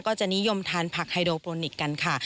ก็จะนิยมทานผักไฮโดโปรนิกกันค่ะ